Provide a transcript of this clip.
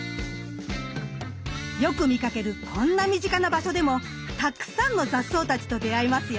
よく見かけるこんな身近な場所でもたくさんの雑草たちと出会えますよ。